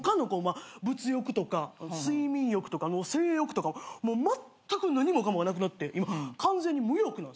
物欲とか睡眠欲とか性欲とかまったく何もかもがなくなって今完全に無欲なんです。